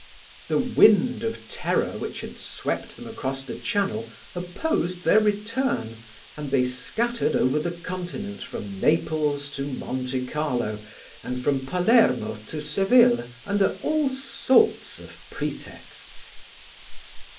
The wind of terror which had swept them across the Channel opposed their return, and they scattered over the Continent from Naples to Monte Carlo and from Palermo to Seville under all sorts of pretexts.